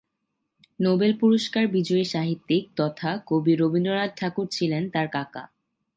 Nobel পুরস্কার বিজয়ী সাহিত্যিক তথা কবি রবীন্দ্রনাথ ঠাকুর ছিলেন তার কাকা।